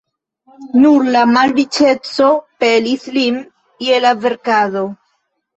Nur la malriĉeco pelis lin je la verkado.